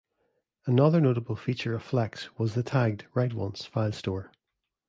Another notable feature of Flex was the tagged, write-once filestore.